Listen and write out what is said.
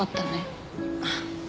あっ。